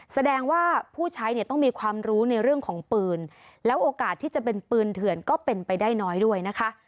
แสดงว่าผู้ใช้เนี่ยต้องมีความรู้ในเรื่องของปืนแล้วโอกาสที่จะเป็นปืนเถื่อนก็เป็นไปได้น้อยด้วยนะคะ